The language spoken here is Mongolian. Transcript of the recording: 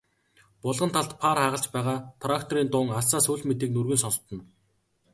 Булган талд паар хагалж байгаа тракторын дуун алсаас үл мэдэг нүргэн сонстоно.